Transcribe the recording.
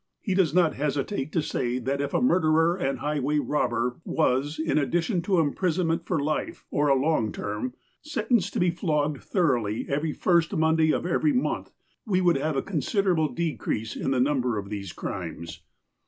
He does not hesitate to say that if a murderer and high way robber was, in addition to imprisonment for life, or a long term, sentenced to be flogged thoroughly every first Monday of every mouth, we would have a consider able decrease in the number of these crimes.